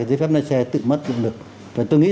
giấy phép lái xe tự mất cũng được và tôi nghĩ